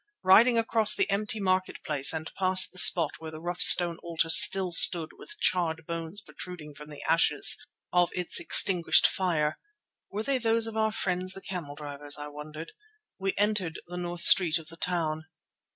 Riding across the empty market place and past the spot where the rough stone altar still stood with charred bones protruding from the ashes of its extinguished fire—were they those of our friends the camel drivers? I wondered—we entered the north street of the town.